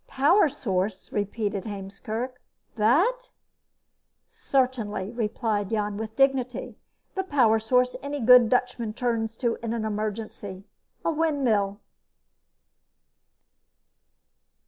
"Power source?" repeated Heemskerk. "That?" "Certainly," replied Jan with dignity. "The power source any good Dutchman turns to in an emergency: a windmill!"